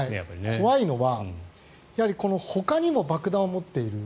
怖いのはほかにも爆弾を持っている。